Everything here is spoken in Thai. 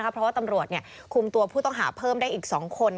เพราะว่าตำรวจคุมตัวผู้ต้องหาเพิ่มได้อีก๒คน